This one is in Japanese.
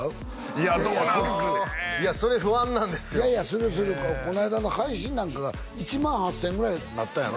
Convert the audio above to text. いやいやするするこないだの配信なんか１万８０００ぐらいになったんやろ？